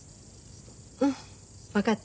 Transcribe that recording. うん分かった。